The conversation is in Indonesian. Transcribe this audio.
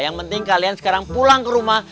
yang penting kalian sekarang pulang ke rumah